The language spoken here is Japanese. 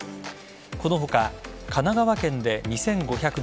この他、神奈川県で２５７５人